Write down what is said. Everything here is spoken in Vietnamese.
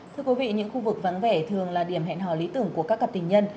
thưa quý vị những khu vực vắng vẻ thường là điểm hẹn hò lý tưởng của các cặp tình nhân